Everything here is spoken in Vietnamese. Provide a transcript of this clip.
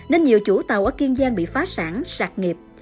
nên nhiều chủ tàu ở kiên giang bị phá sản sạt nghiệp